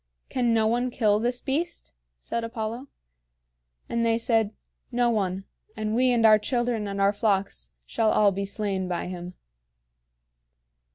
"Can no one kill this beast?" said Apollo. And they said, "No one; and we and our children and our flocks shall all be slain by him."